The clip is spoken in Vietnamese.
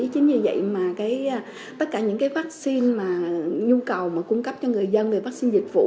chính vì vậy mà tất cả những vaccine mà nhu cầu mà cung cấp cho người dân về vaccine dịch vụ